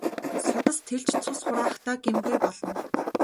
Судас тэлж цус хураахдаа гэмгүй болно.